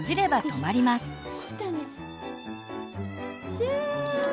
シューッ。